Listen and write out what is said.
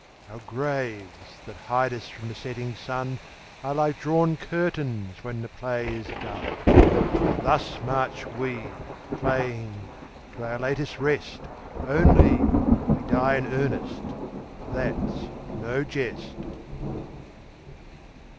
Our graves that hide us from the setting sun Are like drawn curtains when the play is done. Thus march we, playing, to our latest rest, Only we die in earnest, that's no jest.